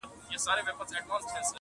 د زندانونو تعبیرونه له چا وپوښتمه!!